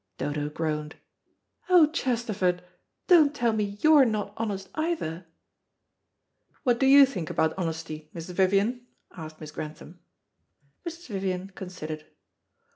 Dodo groaned. "Oh, Chesterford, don't tell me you're not honest either." "What do you think about honesty, Mrs. Vivian?" asked Miss Grantham. Mrs. Vivian considered.